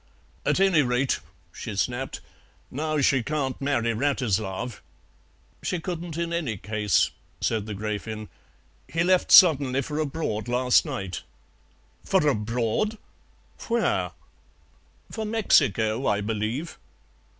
"At any rate," she snapped, "now she can't marry Wratislav." "She couldn't in any case," said the Gräfin; "he left suddenly for abroad last night." "For abroad! Where?" "For Mexico, I believe."